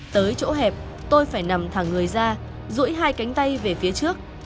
tới chỗ hẹp tôi phải nằm thẳng người ra rũi hai cánh tay về phía trước